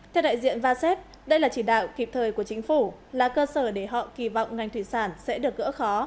theo đại diện vasep đây là chỉ đạo kịp thời của chính phủ là cơ sở để họ kỳ vọng ngành thủy sản sẽ được gỡ khó